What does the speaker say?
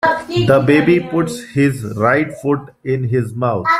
The baby puts his right foot in his mouth.